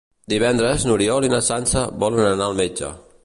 Divendres n'Oriol i na Sança volen anar al metge.